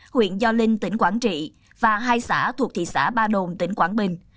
huyện do linh tỉnh quảng trị và hai xã thuộc thị xã ba đồn tỉnh quảng bình